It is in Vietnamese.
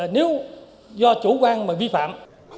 nếu do chủ quan mà vi phạm